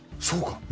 そうか。